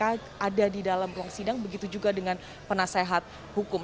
karena ada di dalam ruang sidang begitu juga dengan penasehat hukum